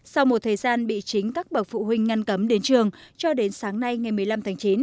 sau một thời gian bị chính các bậc phụ huynh ngăn cấm đến trường cho đến sáng nay ngày một mươi năm tháng chín